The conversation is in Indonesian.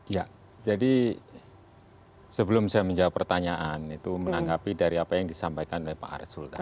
ya jadi sebelum saya menjawab pertanyaan itu menanggapi dari apa yang disampaikan oleh pak arsul tadi